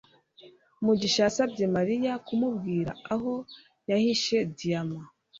mugisha yasabye mariya kumubwira aho yahishe diyama